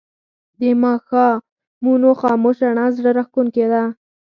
د ماښامونو خاموش رڼا زړه راښکونکې ده